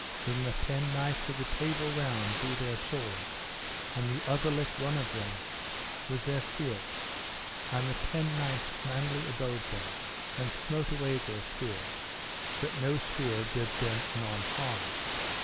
Then the ten knights of the Table Round drew their swords, and the other let run at them with their spears, and the ten knights manly abode them, and smote away their spears that no spear did them none harm.